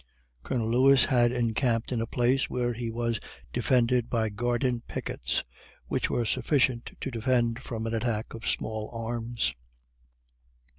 Colonel Lewis had encamped in a place where he was defended by garden pickets, which were sufficient to defend from an attack of small arms.